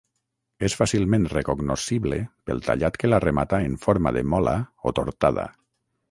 És fàcilment recognoscible pel tallat que la remata en forma de mola o tortada.